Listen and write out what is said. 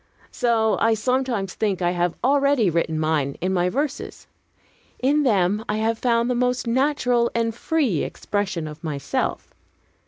So I sometimes think I have already written mine, in my verses. In them, I have found the most natural and free expression of myself.